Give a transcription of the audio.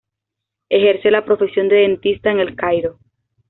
Ejerce la profesión de dentista en El Cairo.